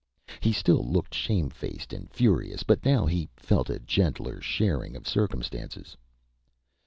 He still looked shamefaced and furious; but now he felt a gentler sharing of circumstances.